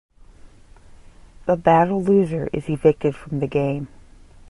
The Battle loser is evicted from the game.